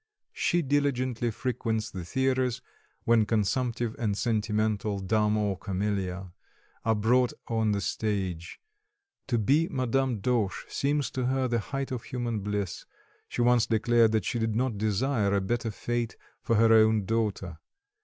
She diligently frequents the theatres, when consumptive and sentimental "dames aux camelias" are brought on the stage; to be Madame Doche seems to her the height of human bliss; she once declared that she did not desire a better fate for her own daughter.